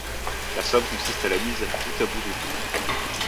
La somme consiste à la mise bout à bout de lignes.